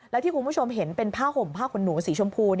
แล้วที่คุณผู้ชมเห็นเป็นผ้าห่มผ้าขนหนูสีชมพู